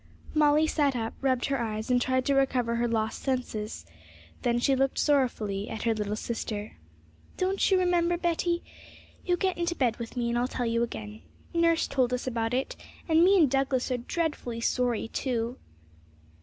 Molly sat up, rubbed her eyes, and tried to recover her lost senses; then she looked sorrowfully at her little sister. 'Don't you remember, Betty? You get into bed with me, and I'll tell you again. Nurse told us all about it; and me and Douglas are dreadfully sorry too!'